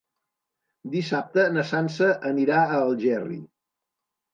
Dissabte na Sança anirà a Algerri.